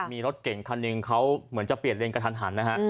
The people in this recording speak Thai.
มีรถเก่งคันหนึ่งเขาเหมือนจะเปลี่ยนเลนกระทันหันนะฮะ